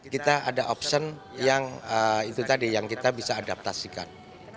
kita ada opsi yang itu tadi yang kita bisa adaptasikan